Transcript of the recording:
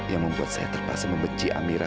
yang membuat saya terpaksa membenci amira